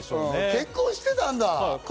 結婚してたんだ。